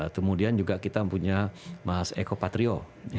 kemudian juga kita punya mas eko patrio